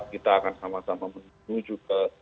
kita akan sama sama menuju ke